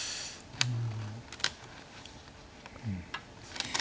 うん。